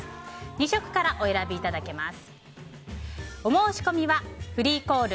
２色からお選びいただけます。